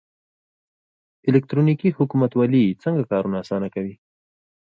الکترونیکي حکومتولي څنګه کارونه اسانه کوي؟